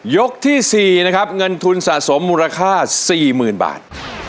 ที่๔นะครับเงินทุนสะสมมูลค่า๔๐๐๐บาท